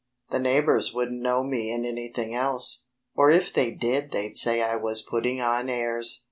The neighbors wouldn't know me in anything else. Or if they did they'd say I was putting on airs."